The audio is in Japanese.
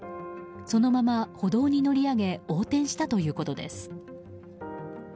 そのまま歩道に乗り上げ横転したということです。